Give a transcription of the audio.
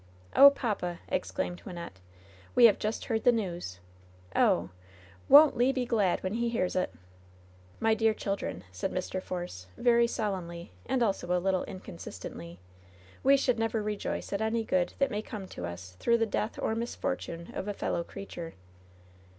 "Oh, papa!" exclaimed Wynnette, "we have just heard the news ! Oh I won't Le be glad when he hears it?" "My dear children," said Mr. Force, very solemnly and also a little inconsistently, "we should never rejoice at any good that may come to us through the death or misfortune of a fellow creature."